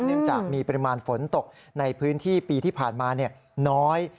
เนื่องจากมีปริมาณฝนตกในพื้นที่ปีที่ผ่านมาน้อย